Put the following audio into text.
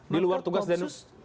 di luar tugas tni